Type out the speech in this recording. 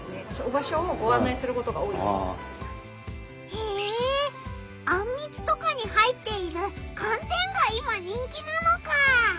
へえあんみつとかに入っている寒天が今人気なのかあ！